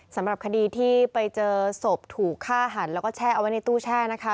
สำหรับคดีที่ไปเจอศพถูกฆ่าหันแล้วก็แช่เอาไว้ในตู้แช่นะคะ